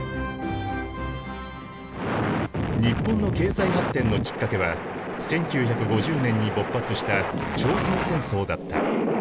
日本の経済発展のきっかけは１９５０年に勃発した朝鮮戦争だった。